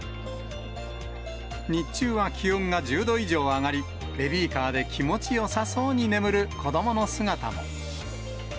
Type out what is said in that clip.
日中は気温が１０度以上上がり、ベビーカーで気持ちよさそうに眠る子どもの姿も。